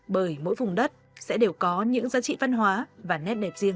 bởi mỗi vùng đất sẽ đều có những giá trị văn hóa và nét đẹp riêng